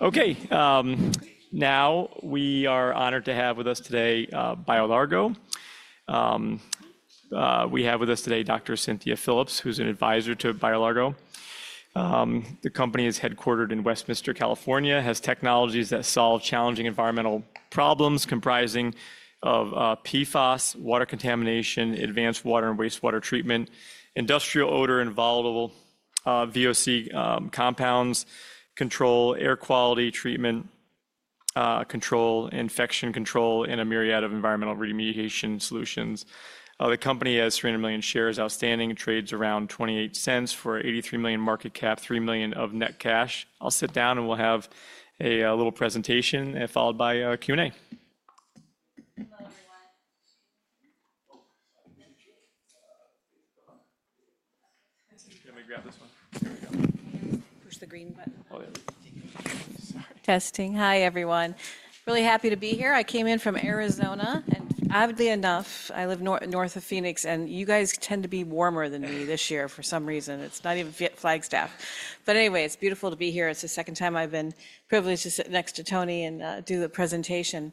Okay, now we are honored to have with us today BioLargo. We have with us today Dr. Cynthia Phillips, who's an advisor to BioLargo. The company is headquartered in Westminster, California, and has technologies that solve challenging environmental problems comprising PFAS, water contamination, advanced water and wastewater treatment, industrial odor and volatile VOC compounds, control air quality treatment, control infection control, and a myriad of environmental remediation solutions. The company has 300 million shares outstanding, trades around $0.28 for $83 million market cap, $3 million of net cash. I'll sit down and we'll have a little presentation followed by a Q&A. Can we grab this one? Push the green button. Oh, yeah. Testing. Hi, everyone. Really happy to be here. I came in from Arizona, and oddly enough, I live north of Phoenix, and you guys tend to be warmer than me this year for some reason. It's not even Flagstaff. Anyway, it's beautiful to be here. It's the second time I've been privileged to sit next to Tony and do the presentation.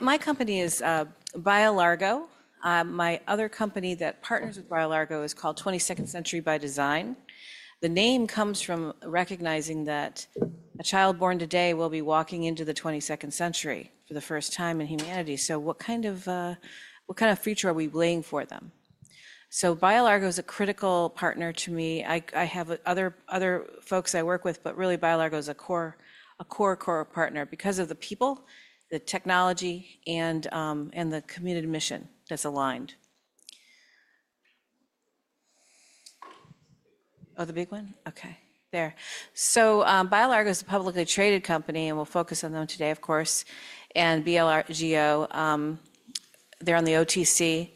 My company is BioLargo. My other company that partners with BioLargo is called 22nd Century By Design. The name comes from recognizing that a child born today will be walking into the 22nd century for the first time in humanity. What kind of future are we laying for them? BioLargo is a critical partner to me. I have other folks I work with, but really BioLargo is a core, core partner because of the people, the technology, and the committed mission that's aligned. Oh, the big one? Okay, there. BioLargo is a publicly traded company, and we'll focus on them today, of course. BLGO, they're on the OTC,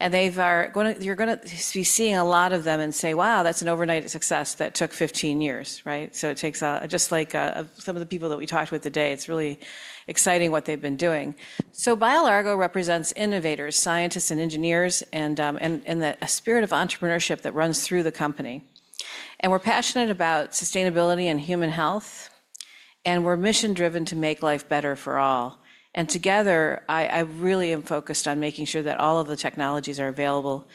and you're going to be seeing a lot of them and say, "Wow, that's an overnight success that took 15 years," right? It takes just like some of the people that we talked with today. It's really exciting what they've been doing. BioLargo represents innovators, scientists, and engineers, and a spirit of entrepreneurship that runs through the company. We're passionate about sustainability and human health, and we're mission-driven to make life better for all. Together, I really am focused on making sure that all of the technologies are available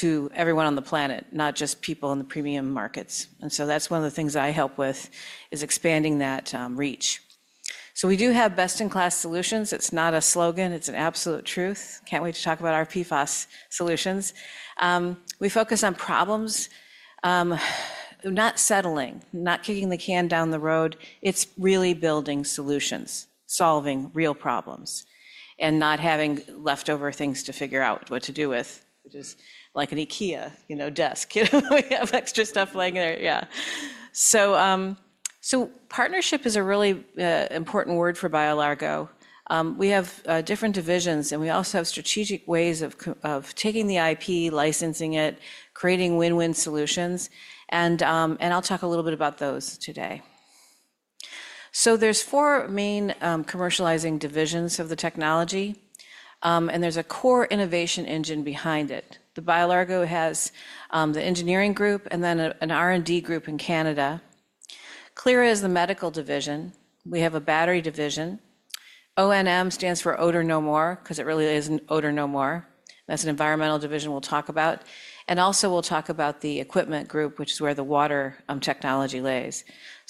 to everyone on the planet, not just people in the premium markets. That's one of the things I help with, is expanding that reach. We do have best-in-class solutions. It's not a slogan. It's an absolute truth. Can't wait to talk about our PFAS solutions. We focus on problems, not settling, not kicking the can down the road. It's really building solutions, solving real problems, and not having leftover things to figure out what to do with, which is like an IKEA desk. We have extra stuff laying there, yeah. Partnership is a really important word for BioLargo. We have different divisions, and we also have strategic ways of taking the IP, licensing it, creating win-win solutions. I'll talk a little bit about those today. There are four main commercializing divisions of the technology, and there's a core innovation engine behind it. BioLargo has the engineering group and then an R&D group in Canada. Clyra is the medical division. We have a battery division. ONM stands for Odor -No-More, because it really is an odor no more. That is an environmental division we will talk about. Also, we will talk about the equipment group, which is where the water technology lays.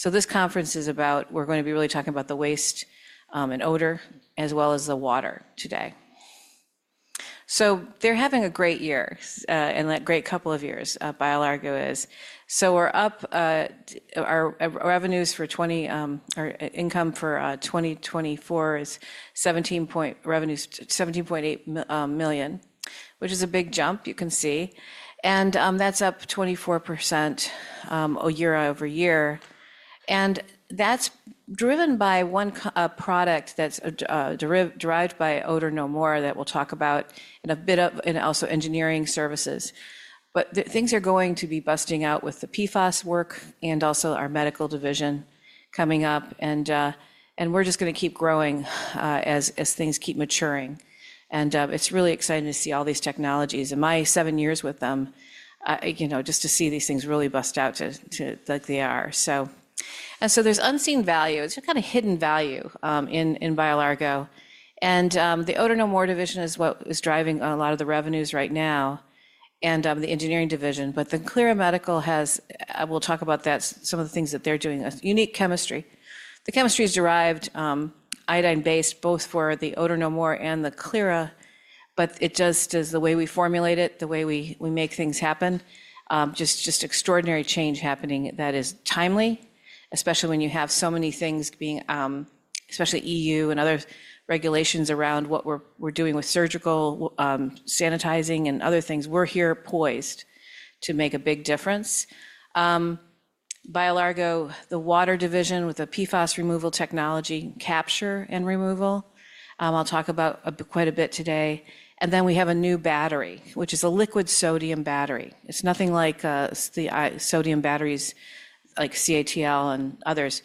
This conference is about, we are going to be really talking about the waste and odor, as well as the water today. They are having a great year, and a great couple of years, BioLargo is. Our revenues for 2024 is $17.8 million, which is a big jump, you can see. That is up 24% year over year. That is driven by one product that is derived by Odor-No-More that we will talk about in a bit of, and also engineering services. Things are going to be busting out with the PFAS work and also our medical division coming up. We are just going to keep growing as things keep maturing. It is really exciting to see all these technologies. In my seven years with them, just to see these things really bust out like they are. There is unseen value. It is kind of hidden value in BioLargo. The Odor-No-More division is what is driving a lot of the revenues right now, and the engineering division. Clyra Medical has, we will talk about that, some of the things that they are doing. Unique chemistry. The chemistry is derived iodine-based, both for the Odor-No-More and the Clyra, but it just is the way we formulate it, the way we make things happen. Just extraordinary change happening that is timely, especially when you have so many things being, especially EU and other regulations around what we are doing with surgical sanitizing and other things. We are here poised to make a big difference. BioLargo, the water division with the PFAS removal technology, capture and removal, I'll talk about quite a bit today. We have a new battery, which is a liquid sodium battery. It's nothing like the sodium batteries like CATL and others.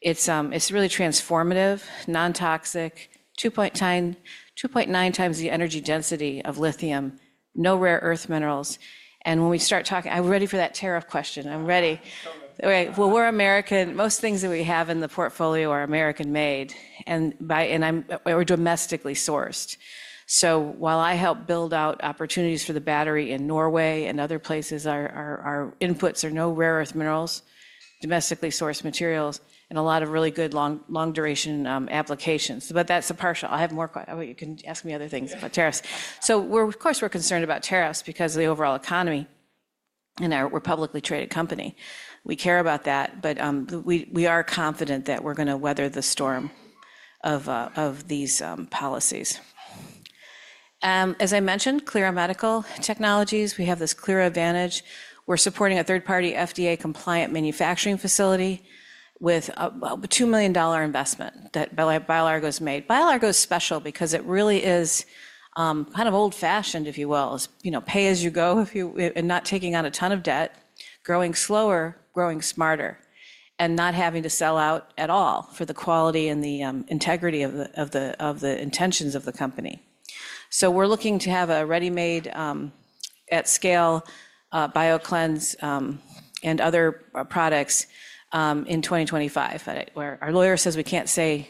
It's really transformative, non-toxic, 2.9 times the energy density of lithium, no rare earth minerals. When we start talking, are we ready for that tariff question? I'm ready. We're American. Most things that we have in the portfolio are American-made or domestically sourced. While I help build out opportunities for the battery in Norway and other places, our inputs are no rare earth minerals, domestically sourced materials, and a lot of really good long-duration applications. That's a partial. I have more. You can ask me other things about tariffs. Of course we're concerned about tariffs because of the overall economy and we're a publicly traded company. We care about that, but we are confident that we're going to weather the storm of these policies. As I mentioned, Clyra Medical Technologies, we have this Clyra Advantage. We're supporting a third-party FDA-compliant manufacturing facility with a $2 million investment that BioLargo has made. BioLargo is special because it really is kind of old-fashioned, if you will, pay as you go and not taking on a ton of debt, growing slower, growing smarter, and not having to sell out at all for the quality and the integrity of the intentions of the company. We're looking to have a ready-made at scale Bioclynse and other products in 2025. Our lawyer says we can't say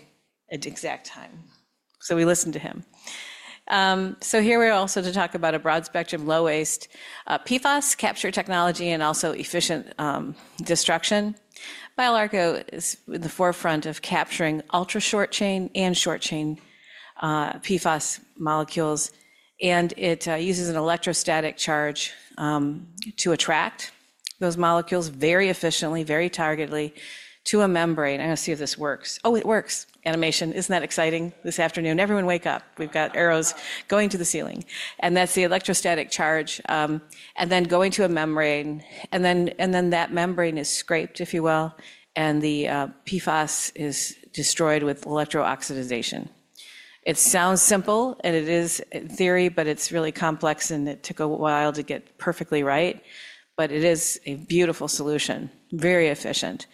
an exact time, so we listen to him. Here we are also to talk about a broad spectrum low waste PFAS capture technology and also efficient destruction. BioLargo is in the forefront of capturing ultra-short chain and short chain PFAS molecules, and it uses an electrostatic charge to attract those molecules very efficiently, very targetedly to a membrane. I'm going to see if this works. Oh, it works. Animation. Isn't that exciting this afternoon? Everyone wake up. We've got arrows going to the ceiling. That's the electrostatic charge. Then going to a membrane, and that membrane is scraped, if you will, and the PFAS is destroyed with electro-oxidization. It sounds simple, and it is in theory, but it's really complex, and it took a while to get perfectly right. It is a beautiful solution, very efficient.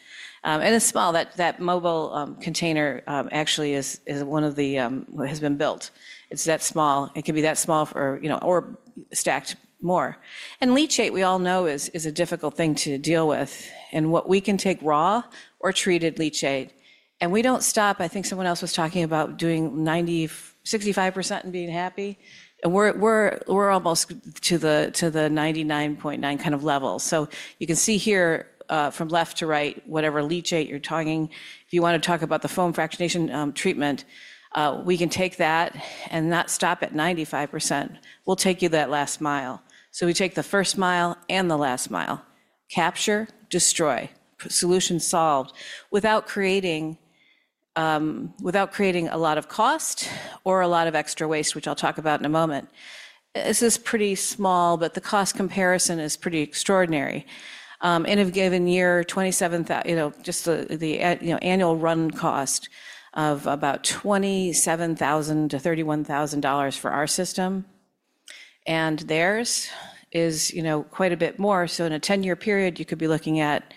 It's small. That mobile container actually is one of the has been built. It's that small. It can be that small or stacked more. Leachate, we all know, is a difficult thing to deal with. What we can take, raw or treated leachate, and we do not stop. I think someone else was talking about doing 65% and being happy. We are almost to the 99.9% kind of level. You can see here from left to right, whatever leachate you are talking, if you want to talk about the foam fractionation treatment, we can take that and not stop at 95%. We will take you that last mile. We take the first mile and the last mile. Capture, destroy, solution solved without creating a lot of cost or a lot of extra waste, which I will talk about in a moment. This is pretty small, but the cost comparison is pretty extraordinary. In a given year, just the annual run cost of about $27,000-$31,000 for our system. Theirs is quite a bit more. In a 10-year period, you could be looking at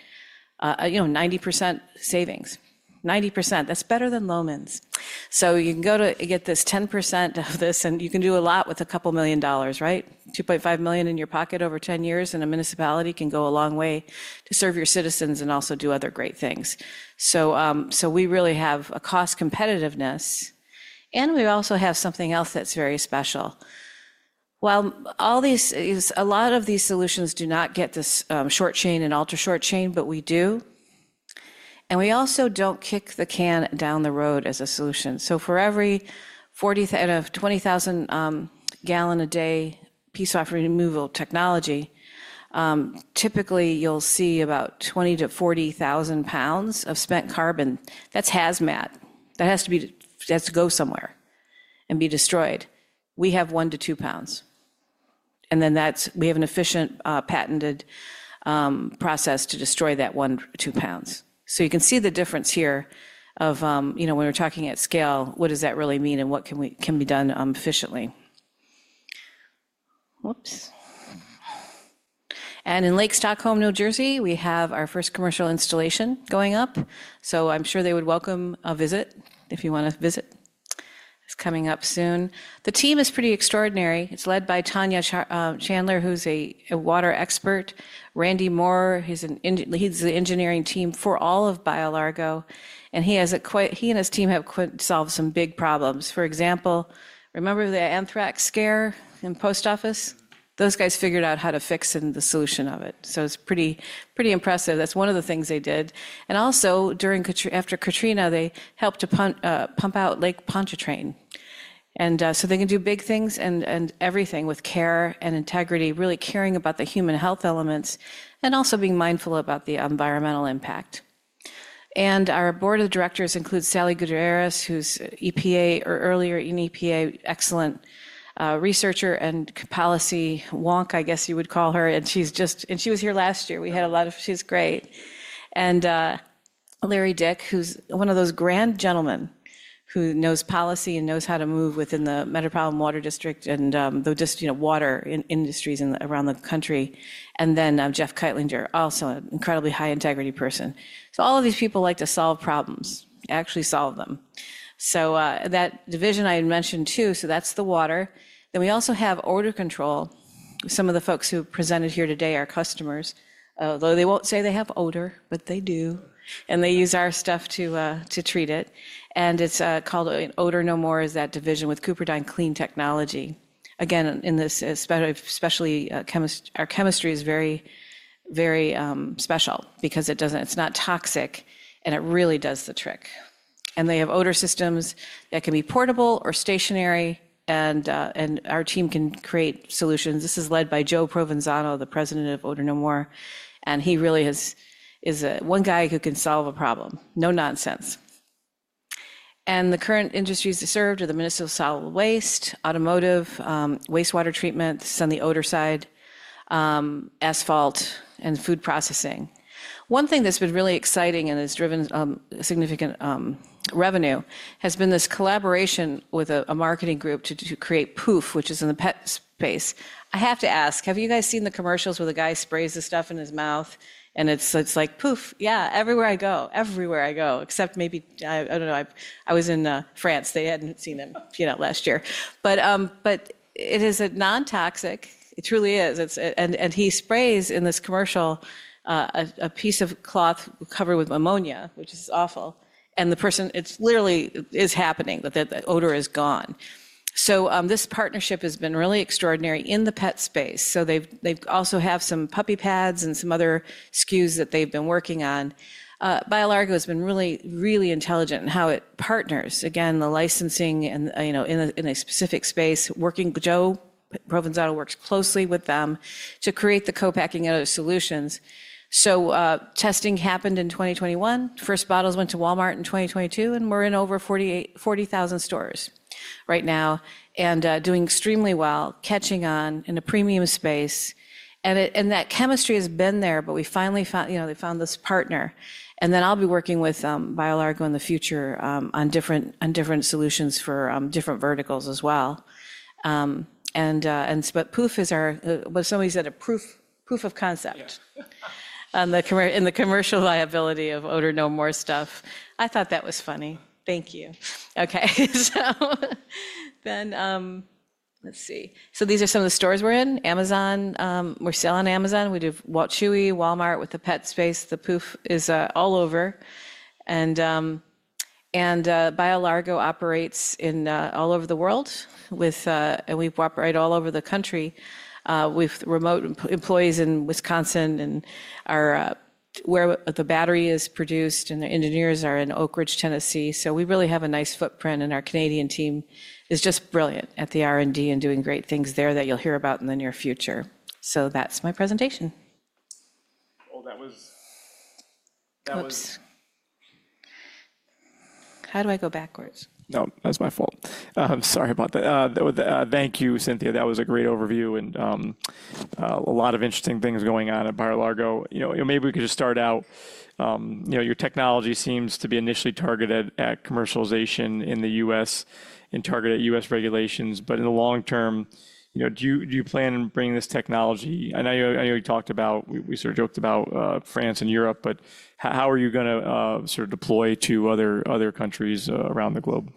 90% savings. 90%. That is better than Loehmann's. You can go to get this 10% of this, and you can do a lot with a couple million dollars, right? $2.5 million in your pocket over 10 years in a municipality can go a long way to serve your citizens and also do other great things. We really have a cost competitiveness, and we also have something else that is very special. While a lot of these solutions do not get this short chain and ultra-short chain, we do. We also do not kick the can down the road as a solution. For every 20,000-gallon-a-day PFAS removal technology, typically you'll see about 20,000-40,000 pounds of spent carbon. That's hazmat. That has to go somewhere and be destroyed. We have one to two pounds. And then we have an efficient patented process to destroy that one to two pounds. You can see the difference here of when we're talking at scale, what does that really mean and what can be done efficiently? Whoops. In Lake Stockholm, New Jersey, we have our first commercial installation going up. I'm sure they would welcome a visit if you want to visit. It's coming up soon. The team is pretty extraordinary. It's led by Tonya Chandler, who's a water expert. Randy Moore, he's the engineering team for all of BioLargo. He and his team have solved some big problems. For example, remember the anthrax scare in post office? Those guys figured out how to fix the solution of it. It's pretty impressive. That's one of the things they did. After Katrina, they helped to pump out Lake Pontchartrain. They can do big things and everything with care and integrity, really caring about the human health elements and also being mindful about the environmental impact. Our board of directors includes Sally Gutierrez, who's EPA, or earlier in EPA, excellent researcher and policy wonk, I guess you would call her. She was here last year. We had a lot of, she's great. Larry Dick, who's one of those grand gentlemen who knows policy and knows how to move within the Metropolitan Water District and just water industries around the country. Jeff Kightlinger, also an incredibly high integrity person. All of these people like to solve problems, actually solve them. That division I had mentioned too, that's the water. We also have odor control. Some of the folks who presented here today are customers. Though they won't say they have odor, but they do. They use our stuff to treat it. It's called Odor No More, that division with CupriDyne Clean Technology. Again, especially our chemistry is very, very special because it's not toxic and it really does the trick. They have odor systems that can be portable or stationary, and our team can create solutions. This is led by Joe Provenzano, the President of Odor No More. He really is one guy who can solve a problem. No nonsense. The current industries served are the municipal solid waste, automotive, wastewater treatment, some of the odor side, asphalt, and food processing. One thing that's been really exciting and has driven significant revenue has been this collaboration with a marketing group to create Pooph, which is in the pet space. I have to ask, have you guys seen the commercials where the guy sprays the stuff in his mouth and it's like Pooph? Yeah, everywhere I go, everywhere I go, except maybe, I don't know, I was in France. They hadn't seen him last year. It is a non-toxic. It truly is. And he sprays in this commercial a piece of cloth covered with ammonia, which is awful. The person, it literally is happening that the odor is gone. This partnership has been really extraordinary in the pet space. They also have some puppy pads and some other SKUs that they've been working on. BioLargo has been really, really intelligent in how it partners. Again, the licensing in a specific space, working with Joe Provenzano works closely with them to create the co-packing solutions. Testing happened in 2021. First bottles went to Walmart in 2022, and we're in over 40,000 stores right now and doing extremely well, catching on in a premium space. That chemistry has been there, but we finally found, they found this partner. I'll be working with BioLargo in the future on different solutions for different verticals as well. Pooph is our, somebody said a proof of concept in the commercial liability of Odor No More stuff. I thought that was funny. Thank you. These are some of the stores we're in. Amazon. We're selling on Amazon. We do Walmart with the pet space. The Pooph is all over. BioLargo operates all over the world, and we operate all over the country with remote employees in Wisconsin and where the battery is produced. The engineers are in Oak Ridge, Tennessee. We really have a nice footprint. Our Canadian team is just brilliant at the R&D and doing great things there that you'll hear about in the near future. That's my presentation. Oh, that was. Oops. How do I go backwards? No, that was my fault. Sorry about that. Thank you, Cynthia. That was a great overview and a lot of interesting things going on at BioLargo. Maybe we could just start out. Your technology seems to be initially targeted at commercialization in the U.S. and targeted at U.S. regulations. In the long term, do you plan on bringing this technology? I know you talked about, we sort of joked about France and Europe, but how are you going to sort of deploy to other countries around the globe?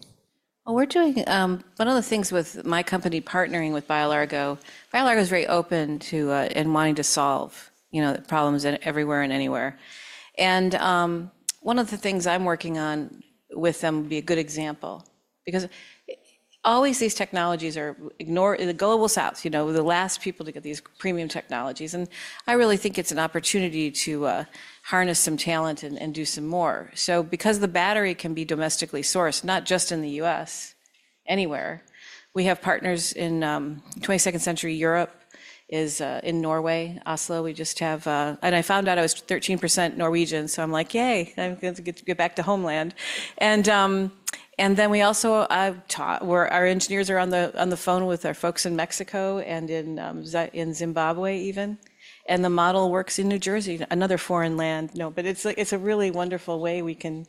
We're doing one of the things with my company partnering with BioLargo. BioLargo is very open to and wanting to solve problems everywhere and anywhere. One of the things I'm working on with them would be a good example because always these technologies are ignored, the Global South, the last people to get these premium technologies. I really think it's an opportunity to harness some talent and do some more. Because the battery can be domestically sourced, not just in the U.S., anywhere, we have partners in 22nd Century Europe is in Norway, Oslo. We just have, and I found out I was 13% Norwegian. I'm like, yay, I'm going to get back to homeland. We also, our engineers are on the phone with our folks in Mexico and in Zimbabwe even. The model works in New Jersey, another foreign land. No, but it's a really wonderful way we can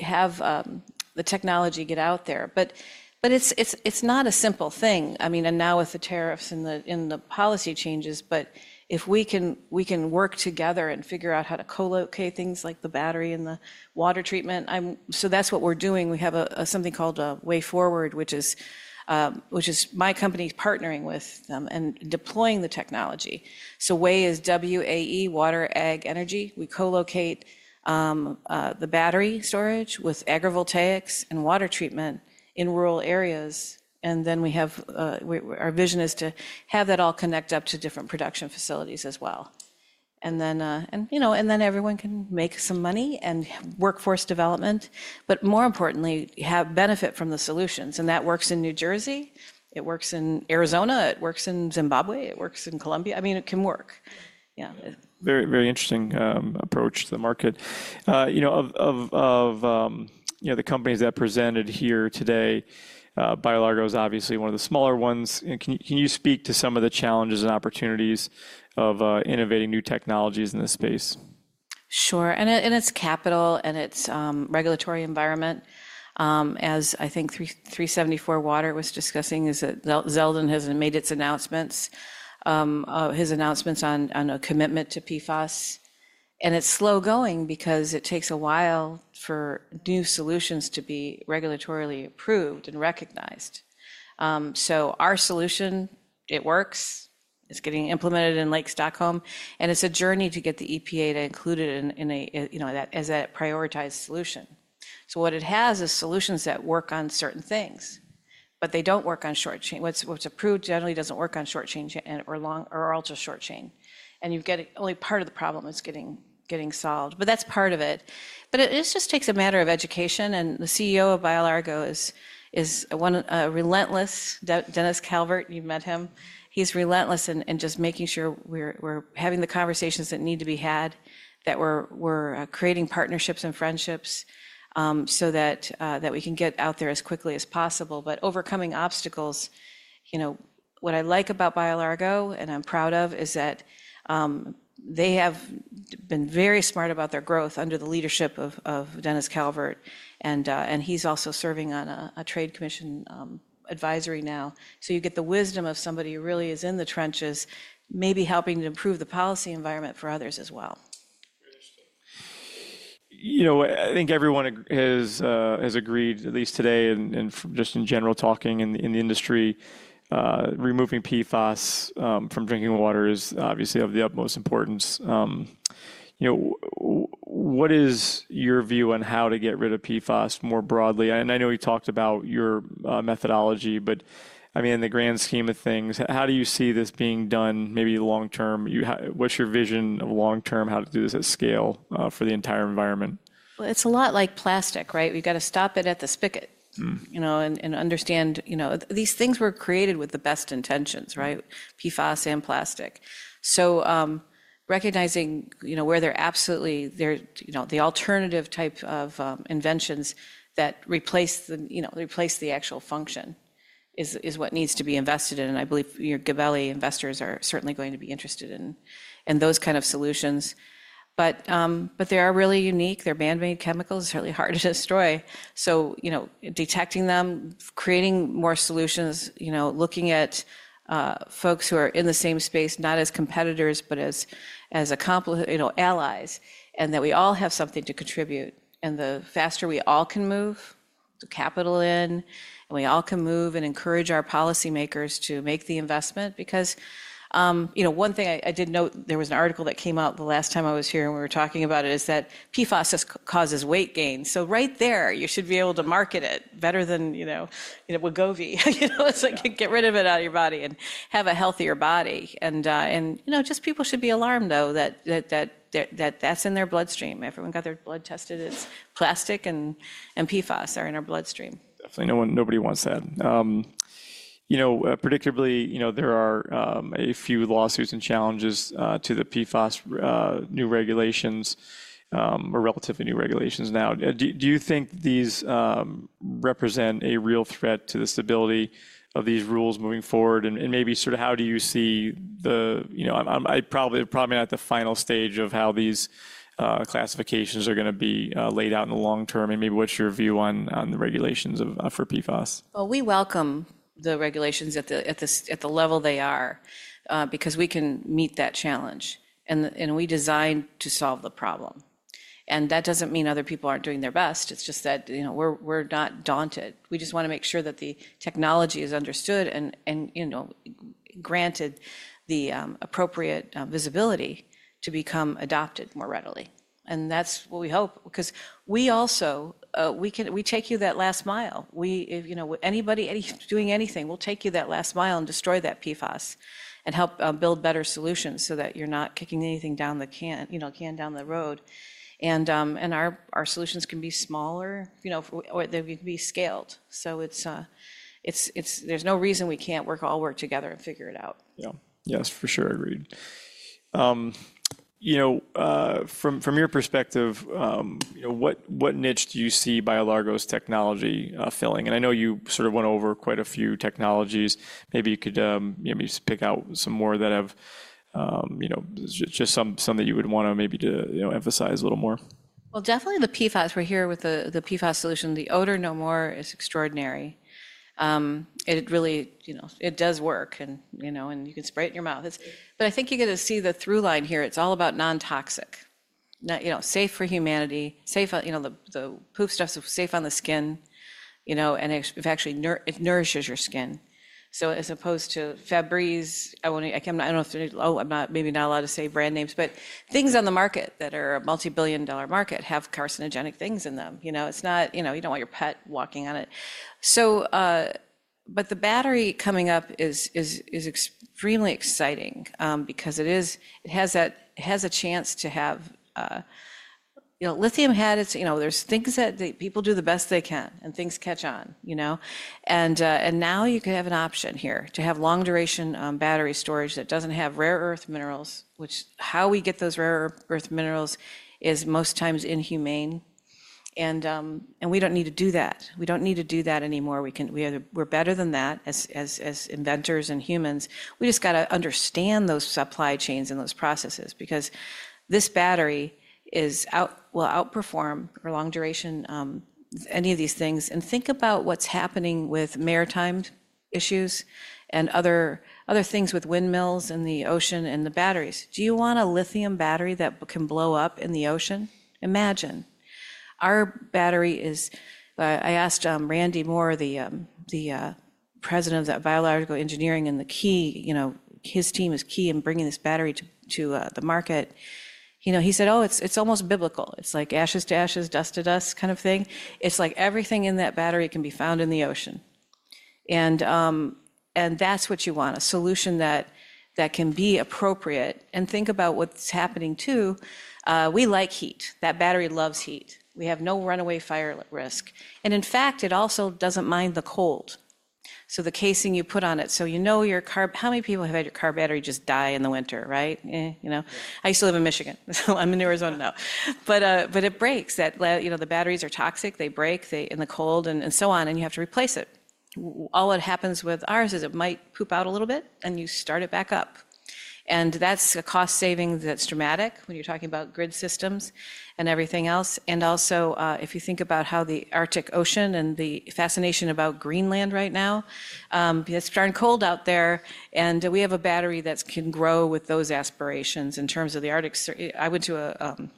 have the technology get out there. It's not a simple thing. I mean, and now with the tariffs and the policy changes, if we can work together and figure out how to co-locate things like the battery and the water treatment, that's what we're doing. We have something called WAE Forward, which is my company partnering with them and deploying the technology. Way is W-A-E, Water, Ag, Energy. We co-locate the battery storage with agrivoltaics and water treatment in rural areas. Our vision is to have that all connect up to different production facilities as well. Then everyone can make some money and workforce development, but more importantly, have benefit from the solutions. That works in New Jersey. It works in Arizona. It works in Zimbabwe. It works in Colombia. I mean, it can work. Yeah. Very, very interesting approach to the market. Of the companies that presented here today, BioLargo is obviously one of the smaller ones. Can you speak to some of the challenges and opportunities of innovating new technologies in this space? Sure. It's capital and it's regulatory environment. As I think 374Water was discussing, Zeldin has made his announcements on a commitment to PFAS. It's slow going because it takes a while for new solutions to be regulatorily approved and recognized. Our solution, it works. It's getting implemented in Lake Stockholm. It's a journey to get the EPA to include it as a prioritized solution. What it has is solutions that work on certain things, but they don't work on short chain. What's approved generally doesn't work on short chain or ultra-short chain. You get only part of the problem is getting solved. That's part of it. It just takes a matter of education. The CEO of BioLargo is a relentless Dennis Calvert. You've met him. He's relentless in just making sure we're having the conversations that need to be had, that we're creating partnerships and friendships so that we can get out there as quickly as possible. Overcoming obstacles, what I like about BioLargo and I'm proud of is that they have been very smart about their growth under the leadership of Dennis Calvert. He's also serving on a trade commission advisory now. You get the wisdom of somebody who really is in the trenches, maybe helping to improve the policy environment for others as well. Very interesting. I think everyone has agreed, at least today and just in general talking in the industry, removing PFAS from drinking water is obviously of the utmost importance. What is your view on how to get rid of PFAS more broadly? I know you talked about your methodology, but I mean, in the grand scheme of things, how do you see this being done maybe long term? What's your vision of long term how to do this at scale for the entire environment? It's a lot like plastic, right? We've got to stop it at the spigot and understand these things were created with the best intentions, right? PFAS and plastic. Recognizing where they're absolutely the alternative type of inventions that replace the actual function is what needs to be invested in. I believe Gabelli investors are certainly going to be interested in those kinds of solutions. They are really unique. They're manmade chemicals. It's really hard to destroy. Detecting them, creating more solutions, looking at folks who are in the same space, not as competitors, but as allies, and that we all have something to contribute. The faster we all can move the capital in, and we all can move and encourage our policymakers to make the investment. One thing I did note, there was an article that came out the last time I was here and we were talking about it, is that PFAS causes weight gain. Right there, you should be able to market it better than Wegovy. It's like get rid of it out of your body and have a healthier body. People should be alarmed though that that's in their bloodstream. Everyone got their blood tested. It's plastic and PFAS are in our bloodstream. Definitely. Nobody wants that. Particularly, there are a few lawsuits and challenges to the PFAS new regulations, or relatively new regulations now. Do you think these represent a real threat to the stability of these rules moving forward? Maybe sort of how do you see the, I'm probably not at the final stage of how these classifications are going to be laid out in the long term. Maybe what's your view on the regulations for PFAS? We welcome the regulations at the level they are because we can meet that challenge. We designed to solve the problem. That does not mean other people are not doing their best. It is just that we are not daunted. We just want to make sure that the technology is understood and granted the appropriate visibility to become adopted more readily. That is what we hope. Because we also, we take you that last mile. Anybody doing anything, we will take you that last mile and destroy that PFAS and help build better solutions so that you are not kicking anything down the can down the road. Our solutions can be smaller or they can be scaled. There is no reason we cannot all work together and figure it out. Yes, for sure. Agreed. From your perspective, what niche do you see BioLargo's technology filling? I know you sort of went over quite a few technologies. Maybe you could just pick out some more that have just some that you would want to maybe emphasize a little more. Definitely the PFAS. We're here with the PFAS solution. The Odor No More is extraordinary. It really does work. You can spray it in your mouth. I think you get to see the through line here. It's all about non-toxic. Safe for humanity. Safe, the Pooph stuff is safe on the skin. It actually nourishes your skin. As opposed to Febreze, I don't know if they're, oh, I may be not allowed to say brand names, but things on the market that are a multi-billion dollar market have carcinogenic things in them. It's not, you don't want your pet walking on it. The battery coming up is extremely exciting because it has a chance to have lithium had its. There's things that people do the best they can and things catch on. Now you could have an option here to have long duration battery storage that doesn't have rare earth minerals, which how we get those rare earth minerals is most times inhumane. We don't need to do that. We don't need to do that anymore. We're better than that as inventors and humans. We just got to understand those supply chains and those processes because this battery will outperform for long duration, any of these things. Think about what's happening with maritime issues and other things with windmills in the ocean and the batteries. Do you want a lithium battery that can blow up in the ocean? Imagine. Our battery is, I asked Randy Moore, the President of BioLargo Engineering, and his team is key in bringing this battery to the market. He said, "Oh, it's almost biblical. It's like ashes to ashes, dust to dust kind of thing." It's like everything in that battery can be found in the ocean. That's what you want, a solution that can be appropriate. Think about what's happening too. We like heat. That battery loves heat. We have no runaway fire risk. In fact, it also doesn't mind the cold. The casing you put on it. You know your car, how many people have had your car battery just die in the winter, right? I used to live in Michigan. I'm in Arizona now. It breaks. The batteries are toxic. They break in the cold and so on. You have to replace it. All what happens with ours is it might poop out a little bit and you start it back up. That's a cost saving that's dramatic when you're talking about grid systems and everything else. Also, if you think about how the Arctic Ocean and the fascination about Greenland right now, it's starting cold out there. We have a battery that can grow with those aspirations in terms of the Arctic. I went to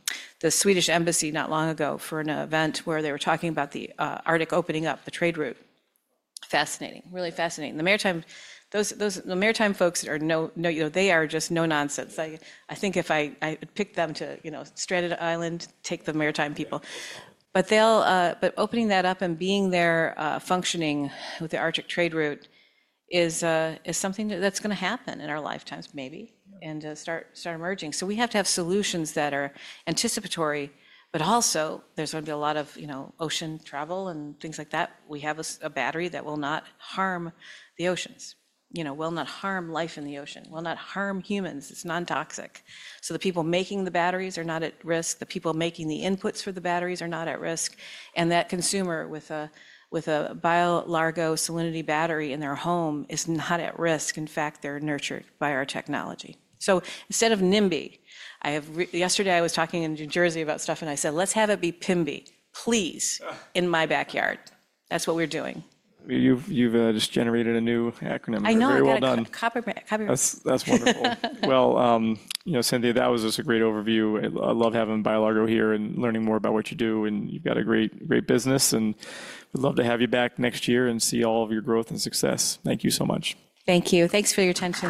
the Swedish embassy not long ago for an event where they were talking about the Arctic opening up the trade route. Fascinating. Really fascinating. The maritime folks that are no, they are just no nonsense. I think if I picked them to Stranded Island, take the maritime people. Opening that up and being there functioning with the Arctic trade route is something that's going to happen in our lifetimes maybe and start emerging. We have to have solutions that are anticipatory, but also there's going to be a lot of ocean travel and things like that. We have a battery that will not harm the oceans, will not harm life in the ocean, will not harm humans. It's non-toxic. The people making the batteries are not at risk. The people making the inputs for the batteries are not at risk. That consumer with a BioLargo Cellinity battery in their home is not at risk. In fact, they're nurtured by our technology. Instead of NIMBY, yesterday I was talking in New Jersey about stuff and I said, "Let's have it be PIMBY, please, in my backyard." That's what we're doing. You've just generated a new acronym. I know. Copyright. That's wonderful. Cynthia, that was just a great overview. I love having BioLargo here and learning more about what you do. You have a great business. We would love to have you back next year and see all of your growth and success. Thank you so much. Thank you. Thanks for your attention.